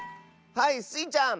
はいスイちゃん！